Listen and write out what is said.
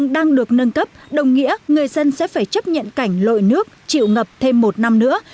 đang được nâng cấp đồng nghĩa người dân sẽ phải chấp nhận cảnh lội nước chịu ngập thêm một năm nữa